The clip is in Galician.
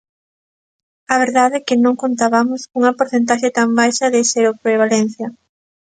A verdade é que non contabamos cunha porcentaxe tan baixa de seroprevalencia.